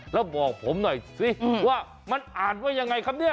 แล้วบอกผมหน่อยสิว่ามันอ่านว่ายังไงครับเนี่ย